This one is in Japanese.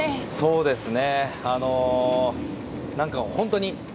そうですね。